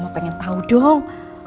mama pengen tahu dong